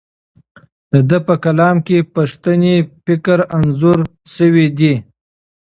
د ده په کلام کې پښتني فکر انځور شوی دی.